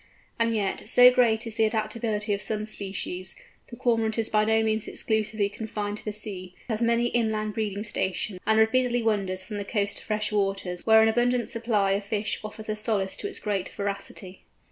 And yet, so great is the adaptability of some species, the Cormorant is by no means exclusively confined to the sea, has many inland breeding stations, and repeatedly wanders from the coast to fresh waters, where an abundant supply of fish offers a solace to its great voracity.